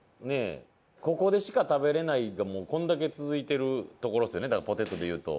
「ここでしか食べられない」がこれだけ続いてるところですよねだからポテトでいうと。